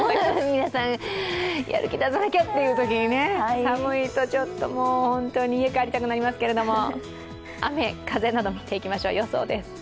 皆さん、やる気出さなきゃというときに寒いと家に帰りたくなりますけれども雨、風など見ていきましょう、予想です。